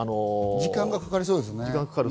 時間がかかりそうですね。